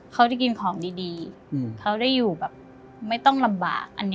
เขาได้กินของดีเขาได้อยู่แบบไม่ต้องลำบาก